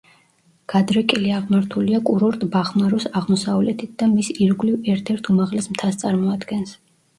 გადრეკილი აღმართულია კურორტ ბახმაროს აღმოსავლეთით და მის ირგვლივ ერთ-ერთ უმაღლეს მთას წარმოადგენს.